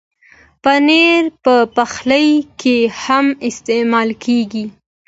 پنېر په پخلي کې هم استعمالېږي.